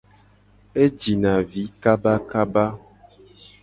E jina vi kabakaba.